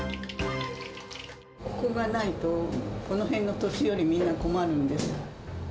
ここがないと、この辺のお年寄りみんな困るんです。